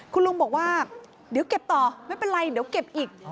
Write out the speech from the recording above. คุณลุงบอกว่าเดี๋ยวเก็บต่อไม่เป็นไรเดี๋ยวเก็บอีก